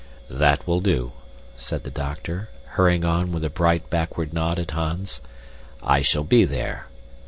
"That will do," said the doctor, hurrying on with a bright backward nod at Hans. "I shall be there.